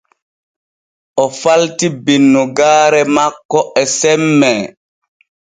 O falti binnugaare makko e semmee.